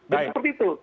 dan seperti itu